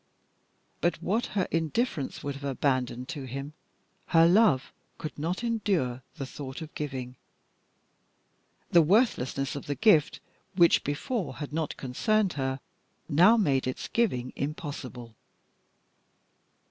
But what her indifference would have abandoned to him her love could not endure the thought of giving. The worthlessness of the gift, which before had not concerned her, now made its giving impossible.